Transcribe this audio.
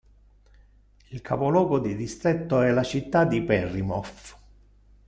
Il capoluogo di distretto è la città di Pelhřimov.